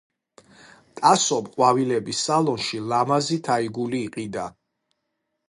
ტასომ ყვავილების სალონში ლამაზი თაიგული იყიდა